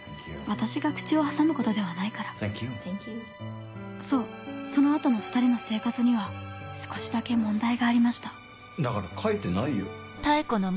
私が口を挟むことではないからそうその後の２人の生活には少しだけ問題がありましただから描いてないよ。